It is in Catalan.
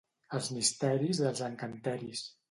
Els misteris dels encanteris.